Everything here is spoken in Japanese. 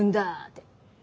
って。